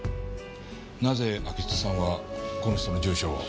なぜ安芸津さんはこの人の住所を？